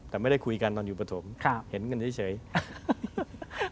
แต่ไม่ได้คุยกันตอนอยู่ประถมเห็นกันเช่น